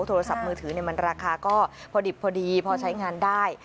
โทรศัพท์มือถือมันราคาก็พอดิบพอดีพอใช้งานได้